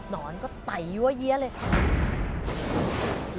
หนอนก็ไตวะเยี้ยะเลย